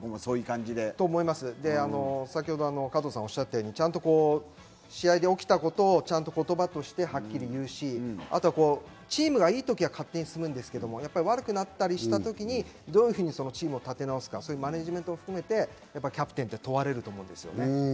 加藤さんがおっしゃったように試合で起きたことをちゃんと言葉としてはっきり言うし、チームが良い時は勝手に進むんですけど、悪くなったりした時にどういうふうにチームを立て直すかマネジメントも含めてキャプテンって問われると思うんですよね。